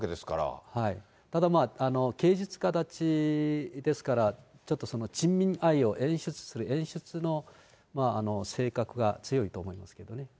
ただまあ、芸術家たちですから、ちょっと人民愛を演出する、演出の性格が強いと思いますけどね。